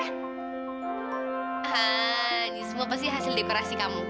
hah ini semua pasti hasil dekorasi kamu